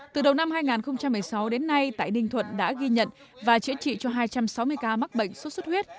từ đầu năm hai nghìn một mươi sáu đến nay tại ninh thuận đã ghi nhận và chữa trị cho hai trăm sáu mươi ca mắc bệnh sốt xuất huyết